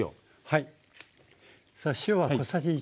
はい。